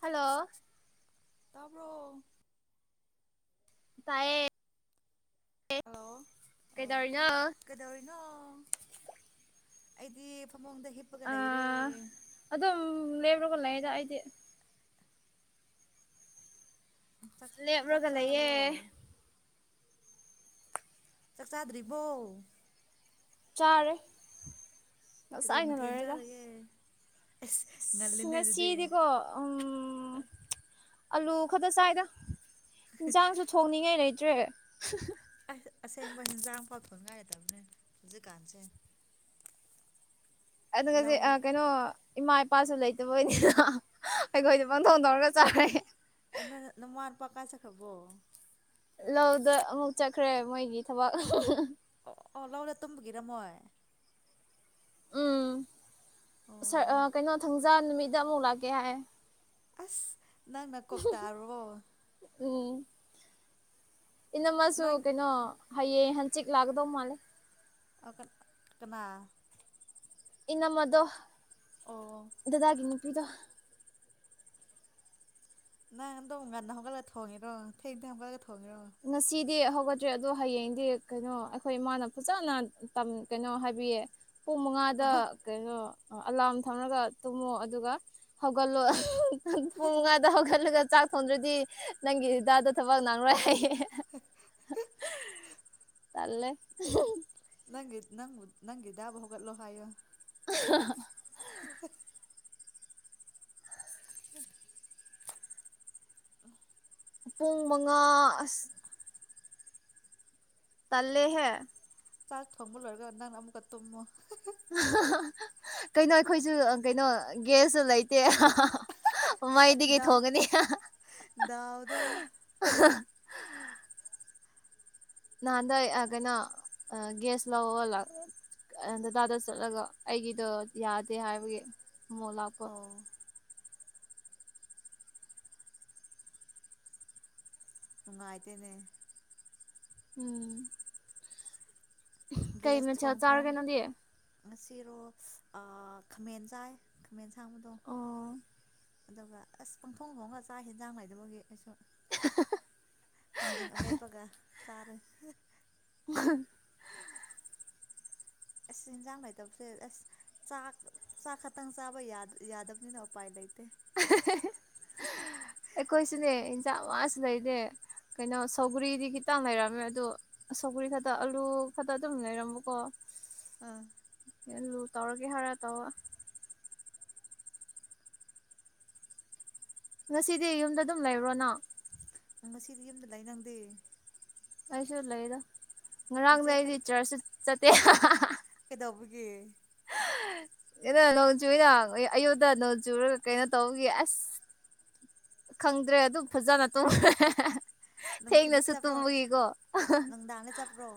hello ꯇꯥꯕ꯭ꯔꯣ ꯇꯥꯏꯌꯦ hello ꯑꯣ ꯀꯩꯗꯧꯔꯤꯅꯣ ꯀꯩꯗꯧꯔꯤꯅꯣ ꯑꯩꯗꯤ ꯐꯃꯨꯡꯗ ꯍꯤꯞꯄꯒ ꯂꯩꯔꯦ ꯑꯥ [unintelligible] ꯆꯥꯛ ꯆꯥꯛ ꯂꯦꯞꯔꯒ ꯂꯩꯌꯦ ꯆꯥꯔꯕꯣ ꯆꯥꯛ ꯆꯥꯗ꯭ꯔꯤꯕꯣ ꯆꯥꯔꯦ ꯀꯔꯤ ꯉꯁꯥꯏꯅ ꯃꯊꯦꯟ ꯂꯣꯏꯔꯦꯗ ꯆꯥꯔꯒꯦ ꯑꯁ ꯉꯜꯂꯤꯅꯦ ꯑꯗꯨꯗꯤ ꯉꯁꯤꯗꯤꯀꯣ ꯎꯝ ꯑꯂꯨ ꯈꯇ ꯆꯥꯏꯗ ꯏꯟꯖꯥꯡꯁꯨ ꯊꯣꯡꯅꯤꯡꯉꯥꯏ ꯂꯩꯇ꯭ꯔꯦ [unintelligible] ꯑꯁꯦꯡꯕ ꯍꯤꯟꯖꯥꯡ ꯐꯥꯎ ꯊꯣꯡꯅꯤꯡꯉꯥꯏ ꯂꯩꯇꯝꯅꯦ ꯍꯧꯖꯤꯛꯀꯥꯟꯁꯦ ꯑꯗꯨꯒ ꯂꯧ [unintelligible] ꯀꯩꯅꯣ ꯏꯃꯥ ꯏꯄꯥꯁꯨ ꯂꯩꯇꯕꯩꯅꯦ [unintelligible] ꯑꯩꯈꯣꯏꯗꯤ ꯄꯪꯊꯣꯡ ꯇꯧꯔꯒ ꯆꯥꯔꯦ ꯑꯗꯨ [unintelligible] ꯀꯥꯏ ꯆꯠꯈ꯭ꯔꯕꯣ ꯂꯧꯗ ꯑꯃꯨꯛ ꯆꯠꯈ꯭ꯔꯦ ꯃꯣꯏꯒꯤ ꯊꯕꯛ [unintelligible] ꯑꯣ ꯑꯣ ꯂꯧꯗ ꯇꯨꯝꯕꯒꯤꯔ ꯃꯣꯏ ꯑꯣ ꯁꯔ ꯑ ꯀꯩꯅꯣ ꯊꯥꯡꯖ ꯅꯨꯃꯤꯠꯗ ꯑꯃꯨꯛ ꯂꯥꯛꯀꯦ ꯍꯥꯏꯌꯦ ꯑꯁ ꯅꯪ ꯅ ꯀꯨꯛ ꯇꯥꯔꯕꯣ ꯎꯝ ꯏꯅꯝꯃꯁꯨꯨ ꯅꯪ ꯀꯩꯅꯣ ꯍꯌꯦꯡ ꯍꯡꯆꯤꯛ ꯂꯥꯛꯀꯗꯧꯕ ꯃꯥꯂꯦ ꯑ ꯀ ꯀꯅꯥ ꯏꯅꯝꯃꯗꯣ ꯑꯣ ꯗꯗꯥꯒꯤ ꯅꯨꯄꯤꯗꯣ ꯅꯪ ꯑꯗꯨꯝ ꯉꯟꯅ ꯍꯧꯒꯠꯂ ꯊꯣꯡꯉꯤꯔꯣ ꯊꯦꯡ ꯊꯦꯡ ꯍꯧꯒꯠꯂꯒ ꯊꯣꯡꯉꯤꯔꯣ ꯗꯤ ꯍꯧꯒꯠꯇ꯭ꯔꯦ ꯑꯗꯣ ꯍꯌꯦꯡꯗꯤ ꯀꯩꯅꯣ ꯑꯩꯈꯣꯏ ꯏꯃꯥꯅ ꯐꯖꯅ [unintelligible] ꯀꯩꯅꯣ ꯍꯥꯏꯕꯤꯌꯦ ꯄꯨꯡ ꯃꯉꯥꯗ ꯀꯃꯥꯏ ꯀꯩꯅꯣ ꯑꯂꯥꯔꯝ ꯊꯝꯔꯒ ꯇꯨꯝꯃꯣ ꯑꯗꯨꯒ ꯍꯧꯒꯠꯂꯣ ꯄꯨꯡ ꯃꯉꯥꯗ ꯍꯧꯒꯠꯂꯒ ꯆꯥꯛ ꯊꯣꯡꯗ꯭ꯔꯗꯤ ꯅꯪꯒꯤ ꯗꯗꯥꯗꫭ ꯊꯕꯛ ꯅꯡꯔꯣꯏ ꯍꯥꯏꯌꯦ ꯇꯜꯂꯦ ꯅꯪ ꯅꯪꯕꯨ ꯅꯪꯒꯤ ꯗꯥꯕꯨ ꯍꯧꯒꯠꯂꯣ ꯍꯥꯏꯌꯣ [unintelligible] [inaudible] [unintelligible] ꯄꯨꯡ ꯃꯉꯥ ꯑꯁ ꯇꯜꯂꯦꯍꯦ ꯆꯥꯛ ꯊꯣꯡꯕ ꯂꫭꯏꯔꯒ ꯅꯪ ꯑꯃꯨꯛꯀ ꯇꯨꯃꯣ [unintelligible] ꯀꯩꯅꯣ ꯑꯩꯈꯣꯏꯖꯨ ꯀꯩꯅꯣ ꯒ꯭ꯌꯥꯁꯁꯨ ꯂꯩꯇꯦ [unintelligible] ꯃꯩꯗꯒꯤ ꯗꯥꯎ ꯊꯣꯡꯉꯅꯤ [unintelligible] ꯗꯥꯎꯗꯣ ꯅꯥꯥꯍꯥꯟꯗꯩ ꯑ ꯀꯩꯅꯣ ꯒ꯭ꯌꯥꯁ ꯂꯧꯕ ꯗꯗꯥꯗ ꯆꯠꯂꯒ ꯑꯩꯒꯤꯗꯣ ꯌꯥꯗꯦ ꯍꯥꯏꯕꯒꯤ ꯃꯣꯂꯥꯞꯄ ꯑꯧ ꯅꯨꯡꯉꯥꯏꯇꯦꯅꯦ ꯎꯝ ꯀꯩ ꯒ꯭ꯌꯥꯁ ꯃꯊꯦꯜ ꯊꯣꯡ ꯊꯣꯡ ꯆꯥꯔꯒꯦ ꯅꯪꯗꯤ ꯉꯁꯤꯔꯣ ꯑꯥ ꯈꯥꯃꯦꯟ ꯆꯥꯏ ꯈꯥꯃꯦꯟ ꯁꯥꯡꯕꯗꯣ ꯑꯣ ꯑꯗꯨꯒ ꯑꯁ ꯄꯪꯊꯣꯡ ꯊꯣꯡꯉ ꯆꯥꯛ ꯍꯦꯟꯖꯥꯡ ꯂꯩꯗꯕꯒꯤ ꯑꯩꯁꯨ ꯊꯥꯡꯖꯤꯡ ꯑꯃꯦꯠꯄꯒ ꯆꯥꯔꯦ [unintelligible] ꯑꯁ ꯌꯦꯟꯖꯥꯡ ꯂꯩꯇꯕꯁꯦ ꯑꯁ ꯆꯥꯛ ꯆꯥꯛ ꯈꯇꯪ ꯆꯥꯕ ꯌꯥ ꯌꯥꯗꯕꯅꯤꯅ ꯎꯄꯥꯏ ꯂꯩ ꯅꯥꯝꯃꯁꯨ ꯂꯩꯇꯦ ꯀꯩꯅꯣ ꯁꯧꯒ꯭ꯔꯤꯗꯤ ꯈꯤꯇꯪ ꯂꯩꯔꯝꯃꯦ ꯑꯗꯣ ꯁꯧꯒ꯭ꯔꯤ ꯈꯛꯇ ꯑꯂꯨ ꯈꯛꯇ ꯑꯗꯨꯝ ꯂꯩꯔꯝꯕꯀꯣ ꯑ [unintelligible] ꯇꯧꯔꯒꯦ ꯍꯥꯏꯔ ꯇꯧꯋꫭ ꯉꯁꯤꯗꯤ ꯌꯨꯝꯗ ꯗꯨꯝ ꯂꯩꯕ꯭ꯔꯣ ꯅꯪ ꯉꯁꯤꯗꯤ ꯌꯨꯝꯗ ꯂꯩ ꯅꯪꯗꯤ ꯑꯩꯁꯨ ꯂꯩꯌꯦꯗ ꯅꯆꯦ ꯉꯔꯥꯡꯗ ꯑꯩꯗꯤ ꯑꯩꯈꯣꯏꯗ ꯆ꯭ꯔꯁꯁꯨ ꯆꯠꯇꯦ [unintelligible] ꯇꯧꯕꯒꯤ ꯑꯩꯅ ꯅꯣꯡ ꯆꯨꯌꯦꯅ ꯑꯌꯨꯛꯗ ꯅꯣꯡ ꯆꯨꯔꯒ ꯀꯩꯅꯣ ꯇꯧꯕꯒꯤ ꯑꯁ ꯈꯪꯗ꯭ꯔꯦ ꯑꯗꯨꯝ ꯐꯖꯅ ꯇꯧꯈ꯭ꯔꯦ ꯅꯨꯡꯊꯤꯟꯗ ꯆꯠꯄ꯭ꯔꯣ ꯅꯨꯡꯗꯥꯥꯡꯗ ꯆꯠꯄ꯭ꯔꯣ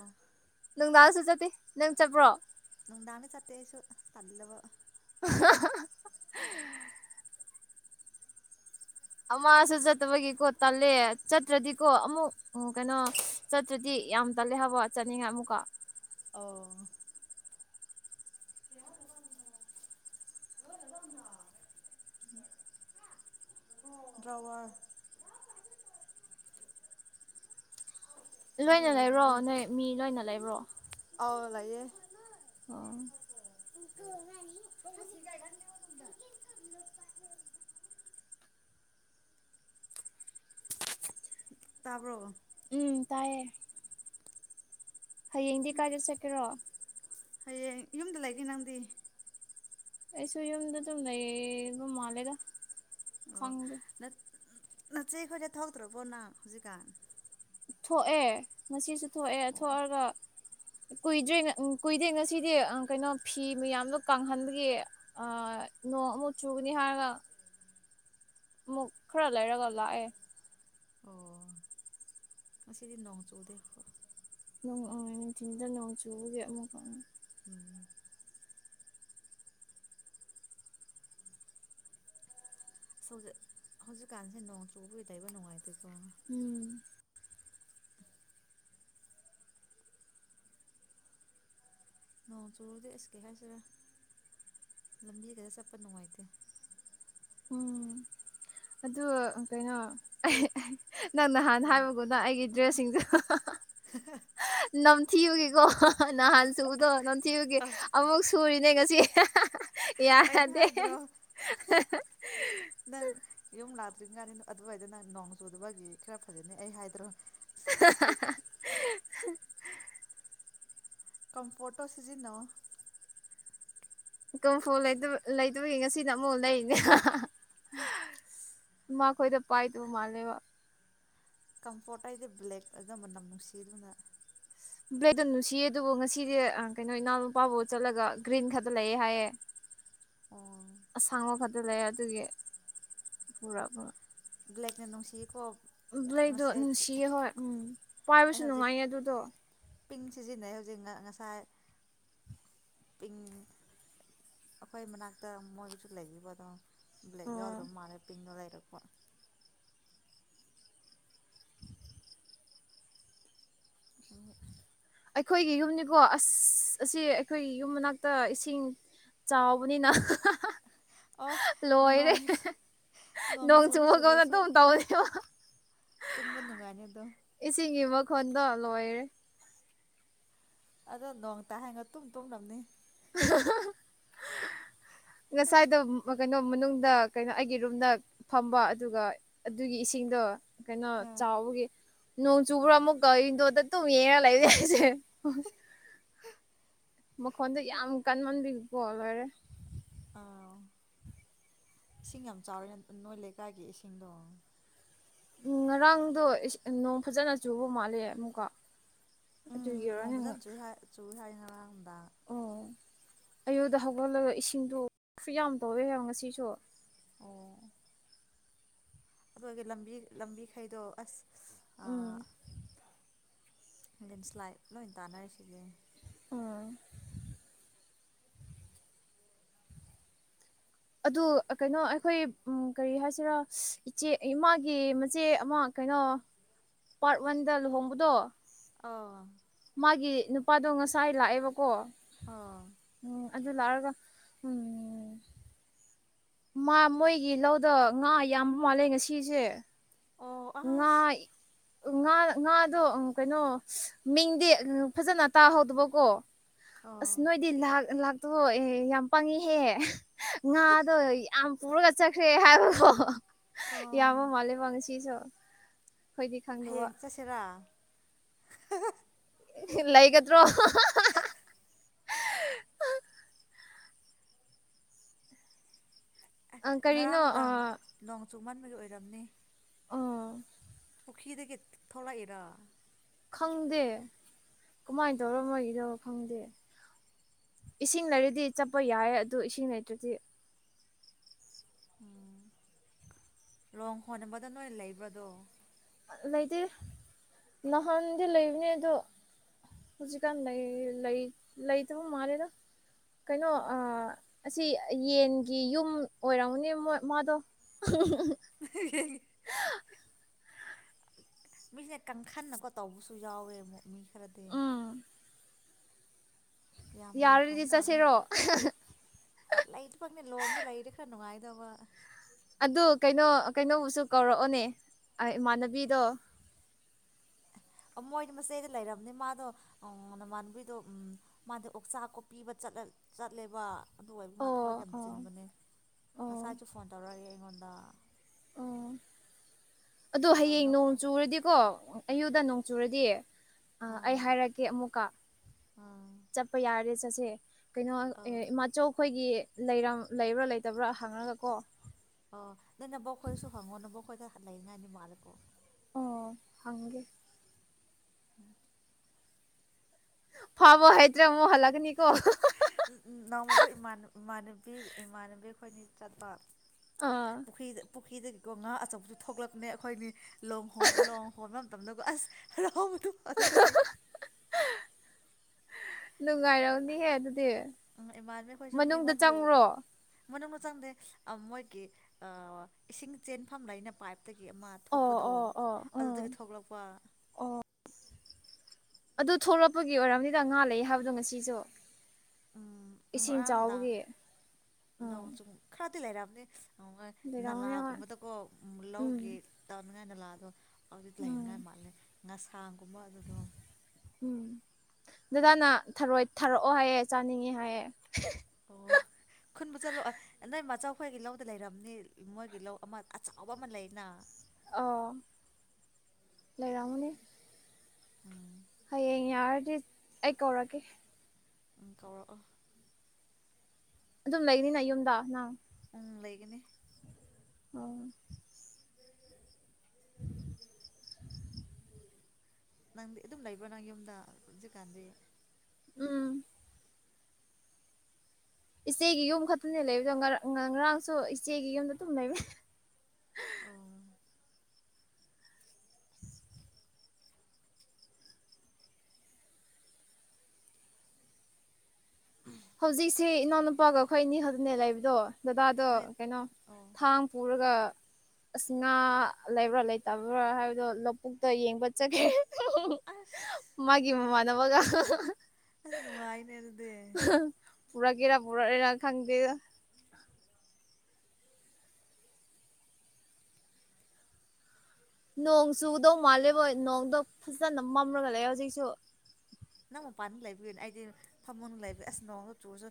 ꯅꯨꯡꯗꯥꯡꯁꯨ ꯆꯠꯄꯤ ꯅꯪ ꯆꯠꯄ꯭ꯔꯣ ꯅꯨꯡꯗꯥꯡꯗ ꯆꯠꯇꯦ ꯑꯩꯁꯨ ꯇꯜꯂꯕ [unintelligible] ꯑꯃꯥꯁꯨ ꯆꯠꯇꯕꯒꯤꯀꯣ ꯇꯜꯂꯦ ꯆꯠꯇ꯭ꯔꯗꯤꯀꯣ ꯑꯃꯨꯛ ꯎꯪ ꯀꯩꯅꯣ ꯆꯠꯇ꯭ꯔꯗꯤ ꯌꯥꯝ ꯇꯜꯂꯦ ꯍꯥꯏꯕ ꯆꯥꯅꯤꯡꯉꯥꯏ ꯑꯃꯨꯛꯀ ꯑꯧ [inaudible] [unintelligible] ꯗ꯭ꯔꯋꯥꯔ ꯑꯗꯨ ꯂꯣꯏꯅ ꯂꯩꯕ꯭ꯔꯣ ꯑꯣꯏꯕꯒꯤ ꯅꯣꯏ ꯃꯤ ꯂꯣꯏꯅ ꯂꯩꯕ꯭ꯔꯣ ꯑꯥꯎ ꯂꯩꯌꯦ ꯑꯣ [unintelligible] ꯇꯥꯕ꯭ꯔꯣ ꯎꯝ ꯇꯥꯏꯌꯦ ꯍꯌꯦꯡꯗꯤ ꯀꯥꯏꯗ ꯆꯠꯀꯦꯔꯣ ꯍꯌꯦꯡ ꯌꯨꯝꯗ ꯂꯩꯒꯦ ꯅꯪꯗꯤ ꯑꯩꯁꯨ ꯌꯨꯝꯗ ꯑꯗꯨꯝ ꯂꯩꯌꯦ ꯕ ꯃꯥꯜꯂꯦꯗ ꯑꯣ ꯈꯪꯗꯦ ꯅꯠ ꯅꯆꯦꯈꯣꯏꯗ ꯊꯧꯗ꯭ꯔꯕꯣ ꯅꯪ ꯍꯧꯖꯤꯛꯀꯥꯟ ꯊꯣꯛꯑꯦ ꯉꯁꯤꯁꯨ ꯊꯣꯛꯑꯦ ꯑꯣ ꯊꯣꯛꯑꯒ ꯀꯨꯏꯗ꯭ꯔꯦ ꯎꯪ ꯀꯨꯏꯗ꯭ꯔꯦ ꯉꯁꯤꯗꯤ ꯑ ꯀꯩꯅꯣ ꯐꯤ ꯃꯌꯥꯝꯗꯣ ꯀꯪꯍꯟꯕꯒꯤ ꯑ ꯅꯣꯡ ꯑꯃꯨꯛ ꯆꯨꯒꯅꯤ ꯍꯥꯏꯔꯒ ꯃꯨꯛ ꯈꯔ ꯂꯩꯔꯒ ꯂꯥꯛꯑꯦ ꯑꯣ ꯉꯁꯤꯗꯤ ꯅꯣꯡ ꯆꯨꯗꯦ ꯅꯣꯡ ꯑ ꯅꯨꯡꯊꯤꯟꯗ ꯅꯣꯡ ꯆꯨꯕꯒꯤ ꯑꯃꯨꯛꯀ ꯎꯝ ꯑꯁ ꯍꯧꯖꯤꯛ ꯍꯧꯖꯤꯛꯀꯥꯟꯁꯦ ꯅꯣꯡ ꯆꯨꯕꯒꯤ ꯂꯩꯕ ꯅꯨꯡꯉꯥꯏꯇꯦꯀꯣ ꯎꯝ ꯅꯣꯡ ꯆꯨꯔꯗꯤ ꯑꯁ ꯀꯩ ꯍꯥꯏꯁꯦꯔꯥ ꯂꯝꯕꯤꯒꯖꯦ ꯆꯠꯄ ꯅꯨꯡꯉꯥꯏꯇꯦ ꯎꯝ ꯑꯗꯨ ꯀꯩꯅꯣ ꯑꯪꯍꯩ ꯅꯪ ꯅꯍꯥꯟ ꯀꯔꯤ ꯍꯥꯏꯕꯒꯨꯝꯅ ꯑꯩꯒꯤ ꯗ꯭ꯔꯦꯁ ꯁꯤꯡꯗꯨ [unintelligible] ꯅꯝꯊꯤꯕꯒꯤꯀꯣ ꯅꯍꯥꯟ ꯁꯨꯕꯗꯣ ꯅꯝꯊꯤꯕꯒꯤ ꯑꯃꯨꯛ ꯁꯨꯔꯤꯅꯦ ꯉꯁꯤ ꯑꯩꯅ ꯌꯥꯗꯦ ꯍꯥꯏꯗ꯭ꯔꯣ ꯑꯗꯨꯀꯥꯅꯤ ꯑꯗꯨꯋꯥꯏꯗ ꯅꯪ ꯅꯣꯡ ꯆꯨꯗꯕꯒꯤ ꯈꯔ ꯐꯖꯅꯤ ꯑꯩ ꯍꯥꯏꯗ꯭ꯔꯣ [unintelligible] ꯀꯝꯐꯣꯔꯠꯇꯣ ꯁꯤꯖꯤꯟꯅꯧꯋꯣ ꯀꯝꯐꯣꯠ ꯂꯩꯇꯕ ꯂꯩꯇꯕꯒꯤ ꯉꯁꯤꯅ ꯑꯃꯨꯛ ꯂꯩꯔꯤꯅꯦ ꯎꯝ ꯃꯥꯈꯣꯏꯗ ꯄꯥꯏꯗꯕ ꯃꯥꯂꯦꯕ ꯀꯝꯐꯣꯔꯠ ꯍꯥꯏꯗꯤ ꯕ꯭ꯂꯦꯛ ꯑꯗꯨ ꯃꯅꯝ ꯅꯨꯡꯁꯤ ꯗꯨꯅ ꯕ꯭ꯂꯦꯛ ꯇꯣ ꯅꯨꯡꯁꯤꯌꯦ ꯑꯗꯨꯕꯨ ꯉꯁꯤꯗꯤ ꯑ ꯀꯩꯅꯣ ꯏꯅꯥꯎꯅꯨꯄꯥꯕꯨ ꯆꯠꯂꯒ ꯒ꯭ꯔꯤꯟ ꯈꯛꯇ ꯂꯩꯌꯦ ꯍꯥꯏꯌꯦ ꯑꯣ ꯑꯁꯥꯡꯕ ꯈꯛꯇ ꯂꯩꯌꯦ ꯑꯗꯨꯒꯤ ꯄꯨꯔꯛꯄ ꯕ꯭ꯂꯦꯛꯅꯅꯨꯡꯁꯤ ꯕ꯭ꯂꯦꯛꯗꯣ ꯅꯨꯡꯁꯤꯌꯦ ꯍꯣꯏ ꯎꯝ ꯄꯥꯏꯕꯁꯨ ꯑꯩ ꯍꯧꯖꯤꯛ ꯅꯨꯡꯉꯥꯏꯌꯦ ꯑꯗꯨꯗꯣ ꯄꯤꯡ ꯁꯤꯖꯤꯟꯅꯩ ꯍꯧꯖꯤꯛ ꯉ ꯉꯁꯥꯏ ꯄꯤꯡ ꯑꯈꯣꯏ ꯃꯅꯥꯛꯇ ꯃꯣꯏꯒꯤꯁꯨ ꯂꯩꯕꯗꯣ ꯕ꯭ꯂꯦꯛ ꯑꯣ ꯌꯥꯎꯗ꯭ꯔ ꯃꯥꯜꯂꯦ ꯄꯤꯡꯗꫭ ꯂꯩꯔꯛꯄ [inaudible] ꯑꯩꯈꯣꯏꯒꯤ ꯌꯨꯝꯅꯤꯀꯣ ꯑꯁ ꯑꯁꯤ ꯑꯩꯈꯣꯏꯒꯤ ꯌꯨꯝ ꯃꯅꯥꯛꯇ ꯏꯁꯤꯡ ꯆꯥꯎꯕꯅꯤꯅ [unintelligible] ꯑꫭ ꯂꯣꯏꯔꯦ ꯅꯣꯡ ꯅꯣꯡ ꯆꯨꯔꯁꯨ ꯆꯨꯕꯒ [unintelligible] ꯆꯨꯗ꯭ꯔꯁꯨ ꯗꯨꯝ ꯇꯧꯋꯦ [unintelligible] ꯇꯨꯝꯕ ꯅꯨꯡꯉꯥꯏꯅꯤ ꯑꯗꯨ ꯏꯁꯤꯡꯒꯤ ꯃꯈꯣꯟꯗꫭ ꯂꯣꯏꯔꯦ ꯑꯗꯣ ꯅꯣꯡ ꯇꯥꯏ ꯍꯥꯏꯒ ꯇꯨꯝ ꯇꯨꯝꯅꯝꯅꯦ [inaudible] ꯉꯁꯥꯏꯗꫭ ꯀꯩꯅꯣ ꯃꯅꯨꯡꯗ ꯀꯩꯅꯣ ꯑꯩꯒꯤ ꯔꯨꯝꯗ ꯐꯝꯕ ꯑꯗꯨꯒ ꯑꯗꯨꯒꯤ ꯏꯁꯤꯡꯗꯣ ꯀꯩꯅꯣ ꯑꯥ ꯆꯥꯎꯕꯒꯤ ꯅꯣꯡ ꯆꯨꯕ꯭ꯔ ꯑꯃꯨꯛꯀ ꯋꯤꯟꯗꫭꯗ ꯗꯨꯝ ꯌꯦꯡꯉ ꯂꯩꯕꯅꯦ [unintelligible] ꯃꯈꯣꯟꯗꫭ ꯌꯥꯝ ꯀꯟꯃꯟꯕꯒꯤꯀꯣ ꯂꯣꯏꯔꯦ ꯑꯥꯎ ꯏꯁꯤꯡ ꯌꯥꯝ ꯆꯥꯎꯔꯦ ꯅꯣꯏ ꯂꯩꯀꯥꯏꯒꯤ ꯏꯁꯤꯡꯗꯣ ꯎꯝ ꯉꯔꯥꯡꯗꯣ [unintelligible] ꯅꯣꯡ ꯐꯖꯅ ꯆꯨꯕ ꯃꯥꯜꯂꯦ ꯑꯃꯨꯛꯀ ꯑꯗꯨꯒꯤ ꯎꯝ ꯅꯣꯡ ꯑꯣꯏꯔꯝꯅꯤ ꯐꯖꯅ ꯆꯨꯏ ꯍꯥꯏ ꯆꯨꯏ ꯍꯥꯏ ꯉꯔꯥꯡ ꯗꯥꯡ ꯑꯌꯨꯛꯗ ꯍꯧꯒꯠꯂꯒ ꯏꯁꯤꯡꯗꯣ ꯈꯨꯌꯥꯝ ꯇꯧꯋꯦ ꯍꯥꯏꯕ ꯉꯁꯤꯁꯨ ꯑꯣ ꯑꯗ꯭ꯋꯥꯏꯒꯤ ꯂꯝꯕꯤ ꯂꯝꯕꯤꯈꯩꯗꯣ ꯑꯁ ꯑꯥ ꯎꯝ ꯂꯦꯟꯁꯂꯥꯏꯠ ꯂꯣꯏ ꯇꯥꯅꯔꯤꯁꯤꯗꯤ ꯎꯝ ꯑꯗꫭ ꯀꯩꯅꯣ ꯑꯩꯈꯣꯏ ꯀꯔꯤ ꯍꯥꯏꯁꯤꯔ ꯏꯆꯦ ꯏꯃꯥꯒꯤ ꯃꯆꯦ ꯑꯃ ꯀꯩꯅꯣ ꯄꯥꯔꯠ ꯋꯥꯟꯗ ꯂꯨꯍꯣꯡꯕꯗꯣ ꯑꯧ ꯃꯥꯒꯤ ꯅꯨꯄꯥꯗꯣ ꯉꯁꯥꯏ ꯂꯥꯑꯦꯕꯀꯣ ꯑꯧ ꯑꯗꯨ ꯂꯥꯛꯔꯒ ꯎꯝ ꯃꯥ ꯃꯣꯏꯒꯤ ꯂꯧꯗꫭ ꯉꯥ ꯌꯥꯝꯕ ꯃꯥꯜꯂꯦ ꯉꯁꯤꯁꯦ ꯑꯣ ꯑꯁ ꯉꯥꯏ ꯉꯥ ꯉꯥꯗꯣ ꯀꯩꯅꯣ ꯃꯤꯡꯗꯤ ꯐꯖꯅ ꯇꯥꯍꯧꯗꯕꯀꯣ ꯑꯁ ꯑꯥ ꯅꯣꯏꯗꯤ [unintelligible] ꯂꯥꯛ ꯇꯣ ꯑꯦ ꯌꯥꯝ ꯄꯪꯉꯤꯍꯦ ꯉꯥꯗꯣ ꯌꯥꯝ ꯄꯨꯔꯒ ꯆꯠꯈ꯭ꯔꯦ ꯍꯥꯏꯕꯀꫭ ꯑꯣ ꯌꯥꯝꯕ ꯃꯥꯟꯂꯦꯕ ꯉꯁꯤꯁꯨ ꯑꯩꯈꯣꯏꯗꯤ ꯈꯪꯗꯕ ꯍꯌꯦꯡ ꯆꯠꯁꯦꯔ ꯂꯩꯒꯗ꯭ꯔꯣ ꯑꯪ ꯀꯔꯤꯅꯣ ꯑ ꯃꯥꯟꯕꯒꯤ ꯑꯣꯏꯔꯝꯅꯤ ꯄꯨꯈꯤꯗꯒꯤ ꯊꯣꯛꯂꯛꯏꯔꫭ ꯈꯪꯗꯦ ꯀꯝꯃꯥꯏ ꯇꯧꯔꯒ ꯃꯣꯢꯒꯤꯗꯣ ꯈꯪꯗꯦ ꯏꯁꯤꯡ ꯂꯩꯔꯗꯤ ꯆꯠꯄ ꯌꯥꯏꯌꯦ ꯑꯗꫭ ꯏꯁꯤꯡ ꯂꯩꯇ꯭ꯔꯗꯤ ꯎꯝ ꯂꯣꯡ ꯍꫭꯟꯅꯕꯗꫭ ꯅꯣꯏ ꯂꯩꯕ꯭ꯔ ꯑꯗꯣ ꯂꯩꯇꯦ ꯅꯍꯥꯟꯗꯤ ꯂꯩꯕꯅꯦ ꯑꯗꯣ ꯍꯧꯖꯤꯛꯀꯥꯟ ꯂꯩ ꯂꯩ ꯂꯩꯇꯕ ꯃꯥꯜꯂꯦꯗ ꯀꯩꯅꯣ ꯑꯥ ꯑꯁꯤ ꯌꯦꯟꯒꯤ ꯌꯨꯝ ꯑꯣꯏꯔꯝꯒꯅꯤ ꯃ ꯃꯥꯗꯣ [unintelligible] [unintelligible] [unintelligible] ꯀꯪꯈꯟꯅꯀꯣ ꯇꯧꯕꯁꯨ ꯌꯥꯎꯋꯦꯃꫭ ꯃꯤ ꯈꯔꯗꯤ ꯎꯝ ꯌꯥꯝ ꯌꯥꯝ ꯐꯪ ꯌꯥꯔꯗꯤ ꯃꯥꯜꯂꯦ ꯆꯠꯁꯤꯔꯣ [unintelligible] ꯂꯣꯡꯗꯣ ꯂꯩꯔꯗꯤ ꯈꯔ ꯅꯨꯡꯉꯥꯏꯗꯧꯕ ꯑꯗꯨ ꯀꯩꯅꯣ ꯀꯩꯅꯣꯕꯨꯁꯨ ꯀꯧꯔꯑꯣꯅꯦ ꯏꯃꯥꯟꯅꯕꯤꯗꯣ ꯃꯣꯏ ꯃꯆꯦꯗꯤ ꯂꯩꯔꯝꯅꯤ ꯃꯥꯗꯣ ꯅꯃꯥꯟꯕꯤꯗꯣ ꯎꯝ ꯃꯥꯗꯤ ꯑꯣꯛꯆꯥ ꯀꯣꯛꯄꯤ ꯆꯠꯂꯦꯕ ꯑꯗꯨ ꯑꯣꯏꯕ ꯃꯥ ꯊꯕꯛ ꯑꯣ ꯌꯥꯝ ꯑꯣ ꯆꯤꯟꯕꯅꯦ ꯑꯣ ꯉꯁꯥꯏꯁꯨ ꯐꯣꯟ ꯇꯧꯔꯛꯑꯑꯦ ꯑꯩꯉꯣꯟꯗ ꯑꯗꫭ ꯍꯌꯦꯡ ꯀꯩꯗꯧꯔꯤꯅꯣ ꯅꯣꯡ ꯆꯨꯔꯗꯤꯀꯣ ꯑꯌꯨꯗ ꯅꯣꯡ ꯆꯨꯔꯗꯤ ꯑ‌ ꯑꯩ ꯑꯥ ꯍꯥꯏꯔꯛꯀꯦ ꯑꯃꯨꯛꯀ ꯑꯥ ꯆꯠꯄ ꯌꯥꯔꯦ ꯆꯠꯁꯦ ꯀꯩꯅꯣ‌ ꯑꯥ ꯏꯃꯥꯆꯧ ꯈꯣꯏꯒꯤ ꯂꯩꯔꯝ ꯂꯩꯕ꯭ꯔ ꯂꯩꯇꯕ꯭ꯔ ꯍꯪꯉꯒ ꯀꯣ ꯑꯣ ꯅꯣꯏ ꯅꯕꯣꯛꯈꯣꯏꯁꯨ ꯍꯪꯉꯣ ꯅꯕꯣꯛꯈꯣꯏꯗ ꯂꯩꯔꯤꯉꯥꯏꯅꯤ ꯃꯥꯜꯂꯦꯀꯣ ꯎꯝ ꯍꯪꯒꯦ [inaudible] ꯐꯥꯕ ꯍꯩꯇ꯭ꯔ ꯑꯃꯨꯛ ꯍꯜꯂꯛꯀꯅꯤꯀꯣ ꯅꯣꯡꯃꯈꯣꯏ [unintelligible] ꯏꯃꯥꯟꯅꯕꯤ ꯏꯃꯥꯟꯅꯕꯤ ꯑꯈꯣꯏꯅꯤ ꯆꯠꯄ ꯑꯥ ꯄꯨꯈ꯭ꯔꯤ ꯄꯨꯈ꯭ꯔꯤꯗꯒꯤꯀꯣ ꯉꯥ ꯑꯆꯧꯕꯗꫭ ꯊꯣꯛꯂꯛꯄꯅꯦ ꯑꯈꯣꯏꯅꯤ ꯂꫭꯡ [unintelligible] ꯂꫭꯡ ꯍꫭꯟꯕ ꯃꯇꯝꯗꯀꫭ ꯑꯁ ꯍꯔꯥꯎ [unintelligible] ꯑꯗꯨꯗꯒꯤ ꯅꯨꯡꯉꯥꯏꯔꯝꯅꯤꯍꯦ ꯑꯗꯨꯗꯤ ꯎꯝ ꯏꯃꯥꯟꯅꯕꯤ ꯑꯩꯈꯣꯏꯁꯨ ꯃꯅꯨꯡꯗ ꯃꯤꯉꯣꯟꯗꯒꯤ ꯆꯪꯕ꯭ꯔꯣ ꯃꯅꯨꯡꯗ ꯆꯪꯗꯦ ꯑ‌ ꯃꯣꯏꯒꯤ ꯏꯁꯤꯡ ꯆꯦꯟꯐꯝ ꯂꯩꯅ ꯄꯥꯏꯞ [unintelligible] ꯑꯃ ꯑꯣ ꯊꯣꯛꯄꯗꯣ ꯑꯣ ꯑꯣ ꯎꯝ ꯑꯗꯨꯗꯒꯤ ꯊꯣꯛꯂꯛꯄ ꯑꯗꯨ ꯊꯣꯛꯂꯛꯄꯒꯤ ꯑꯣꯏꯔꯝꯅꯤꯗ ꯉꯥ ꯂꯩ ꯍꯥꯏꯕꯗꯣ ꯉꯁꯤꯁꯨ ꯎꯝ ꯏꯁꯤꯡ ꯉꯔꯥꯡ ꯅꯨꯡꯗꯥꯡ ꯆꯥꯎꯕꯒꯤ ꯎꯝ ꯅꯣꯡ ꯆꯨꯝ [unintelligible] ꯂꯩꯔꯝꯅꯤ ꯂꯩꯔꯝꯒꯅꯤ ꯍꯣꯏ ꯅꯂꯥꯒꯨꯝꯕꯗꯀꯣ ꯎꯝ ꯂꯧꯒꯤ ꯇꯧꯅꯤꯡꯉꯥꯏ ꯅꯂꯥꯗꯣ ꯍꯧꯖꯤꯛ ꯎꯝ ꯂꯩꯅꯉꯥꯏ ꯃꯥꯜꯂꯦ ꯉꯁꯥꯡꯒꯨꯝꯕ ꯑꯗꯨꯗꯣ ꯎꯝ ꯗꯗꯥꯅ ꯊꯔꯣꯏ ꯊꯥꯔꯛꯑꯣ ꯍꯥꯏꯌꯦ ꯆꯥꯅꯤꯡꯉꯦ ꯍꯥꯏꯑꯦ ꯑꯣ ꯈꯨꯟꯕ ꯆꯠꯂꯨ ꯑꯣ ꯅꯣꯏ ꯃꯆꯧ ꯈꯣꯏꯒꯤ ꯂꯧꯗ ꯂꯩꯔꯝꯅꯤ ꯃꯣꯏꯒꯤ ꯂꯧ ꯑꯃ ꯑꯆꯥꯎꯕ ꯑꯃ ꯂꯩꯗꯅ ꯑꯣ ꯂꯩꯔꯝꯒꯅꯤ ꯎꯝ ꯍꯌꯦꯡ ꯌꯥꯔꯗꯤ ꯑꯩ ꯀꯧꯔꯛꯀꯦ ꯎꯝ ꯀꯧꯔꯛꯑꯣ ꯑꯗꯨꯝ ꯂꯩꯅꯤꯅ ꯌꯨꯝꯗ ꯅꯪ ꯎꯝ ꯂꯩꯒꯅꯤ ꯑꯣ [unintelligible] ꯅꯪꯗꯤ ꯑꯗꯨꯝ ꯂꯩꯕ꯭ꯔꯣ ꯅꯪ ꯌꯨꯝꯗ ꯍꯧꯖꯤꯛꯀꯥꯟꯗꯤ ꯎꯝ ꯏꯆꯦꯒꯤ ꯌꯨꯝ ꯈꯛꯇꯅꯦ ꯂꯩꯕꯗꯣ ꯉꯔꯥꯡꯁꯨ ꯏꯆꯦꯒꯤ ꯌꯨꯝꯗ ꯑꯗꯨꯨꯝ ꯂꯩꯕꯅꯤ ꯑꯥ ꯍꯧꯖꯤꯛꯁꯦ ꯏꯅꯥꯎꯅꯨꯄꯥꯒ ꯑꯩꯈꯣꯏ ꯑꯅꯤ ꯈꯛꯇꯅꯦ ꯂꯩꯕꯗꯣ ꯗꯗꯥꯗꯣ ꯅꯣꯏ ꯀꯩꯅꯣ ꯑꯣ ꯊꯥꯡ ꯄꯨꯔꯒ ꯑꯁ ꯉꯥ ꯂꯩꯕ꯭ꯔꯥ ꯂꯩꯇꯕ꯭ꯔꯥ ꯍꯥꯏꯕꯗꯣ ꯂꯧꯕꯨꯛꯇ ꯌꯦꯡꯕ ꯆꯠꯈꯤ ꯑꯁ [unintelligible] ꯃꯥꯒꯤ ꯃꯃꯥꯟꯅꯕꯒ ꯑꯍꯥꯍꯥ ꯑꯁ ꯅꯨꯡꯉꯥꯏꯅꯦ ꯑꯗꯨꯗꯤ ꯄꯨꯔꯛꯏꯔ [unintelligible] ꯈꯪꯗꯦꯗ ꯅꯣꯡ ꯆꯨꯗꯧ ꯃꯥꯜꯂꯦꯕꯣ ꯅꯣꯡꯗꯣ ꯐꯖꯅ ꯃꯝꯂꯒ ꯂꯩꯌꯦ ꯍꯧꯖꯤꯛꯁꯨ ꯅꯪ ꯃꯄꯥꯟꯗ ꯂꯩꯕꯒꯤꯅꯦ ꯑꯩꯗꯤ ꯐꯃꯨꯡꯗ ꯂꯩꯕꯩ ꯑꯁ ꯅꯣꯡꯖꯨ ꯆꯨꯔꯁꯨ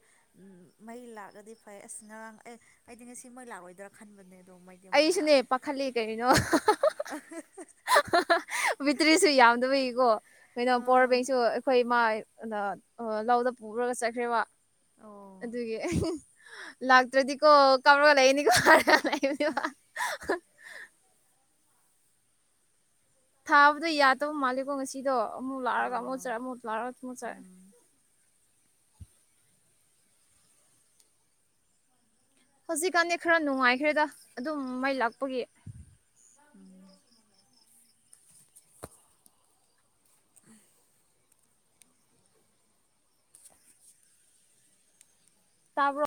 ꯃꯩ ꯂꯥꯛꯂꯗꯤ ꯐ ꯑꯦ ꯑꯁ ꯉꯔꯥꯡ ꯑꯦ ꯑꯩꯗꯤ ꯉꯁꯤ ꯃꯩ ꯂꯥꯛꯂꯣꯏꯗ꯭ꯔ ꯈꯟꯕꯅꯦ ꯑꯗꯣ ꯃꯩꯗꯤ ꯑꯃꯨꯛꯀ ꯑꯩꯁꯨꯅꯦ ꯂꯥꯛꯑꯦ ꯄꯥꯈꯠꯂꯤ ꯀꯔꯤꯅꫭ [unintelligible] ꯕꯤꯇ꯭ꯔꯤꯁꯨ ꯌꯥꯝꯗꯕꯒꯤꯀꯣ ꯀꯩꯅꯣ ꯄꯋꯥꯔ ꯑꯥ ꯕꯦꯡꯁꯨ ꯑꯩꯈꯣꯏ ꯏꯃꯥꯅ ꯂꯧꯗ ꯄꯨꯔꯒ ꯆꯠꯈ꯭ꯔꯦꯕ ꯑꯣ ꯑꯗꯨꯒꯤ ꯂꯥꯛꯇ꯭ꯔꯗꯤꯀꯣ ꯀꯞꯔꯒ ꯂꯩꯑꯅꯤꯀꯣ‌ ꯍꯥꯏꯅ [inaudible] [unintelligible] ꯊꯥꯕꯗꯣ ꯌꯥꯗꯕ ꯃꯥꯜꯂꯦꯀꯣ ꯉꯁꯤꯗꯣ ꯑꯃꯨꯛ ꯂꯥꯛꯑꯒ ꯑꯃꯨꯛ ꯑꯥ ꯆꯠ ꯑꯃꯨ ꯂꯥꯛꯑꯒ ꯑꯃꯨꯛ ꯆꯠ ꯎꯝ ꯍꯧꯖꯤꯛꯀꯥꯟꯗꯤ ꯈꯔ ꯅꯨꯡꯉꯥꯏꯈ꯭ꯔꯦꯗ ꯑꯗꯨꯝ ꯃꯩ ꯂꯥꯛꯄꯒꯤ ꯎꯝ ꯇꯕꯔꯣ